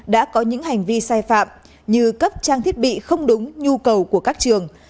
đã có những hành vi sai phạm như cấp trang thiết bị không đúng nhu cầu của các trường